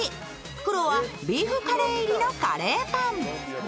黒はビーフカレー入りのカレーパン。